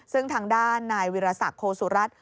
ซึ่งทางด้านนายวิรสักโคสุรัตน์